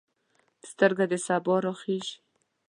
سترګه د سبا راخیژي